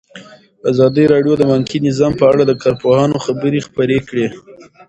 ازادي راډیو د بانکي نظام په اړه د کارپوهانو خبرې خپرې کړي.